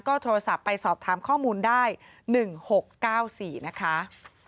ก็โทรศัพท์ไปสอบถามข้อมูลได้๑๖๙๔นะคะ